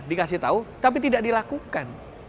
dikasih tahu tapi tidak dilakukan